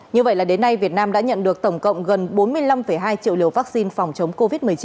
như vậy là đến nay việt nam đã nhận được tổng cộng gần bốn mươi năm hai triệu liều vaccine phòng chống covid một mươi chín